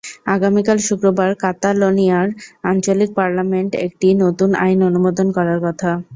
আগামীকাল শুক্রবার কাতালোনিয়ার আঞ্চলিক পার্লামেন্ট একটি নতুন আইন অনুমোদন করার কথা।